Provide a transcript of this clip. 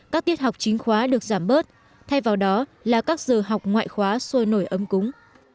các tiết học chính khóa được giảm bớt thay vào đó là các giờ học ngoại khóa sôi nổi ấm cúng